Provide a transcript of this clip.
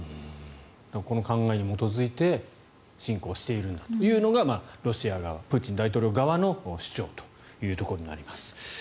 この考えに基づいて侵攻しているんだというのがロシア側、プーチン大統領側の主張というところになります。